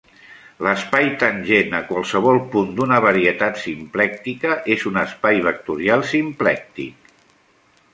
L'espai tangent a qualsevol punt d'una varietat simplèctica és un espai vectorial simplèctic.